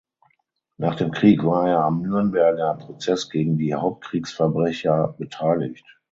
Nach dem Krieg war er am Nürnberger Prozess gegen die Hauptkriegsverbrecher beteiligt.